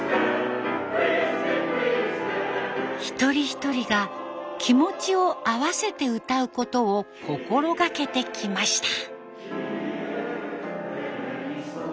一人一人が気持ちを合わせて歌うことを心がけてきました。